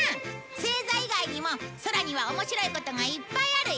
星座以外にも空には面白いことがいっぱいあるよ！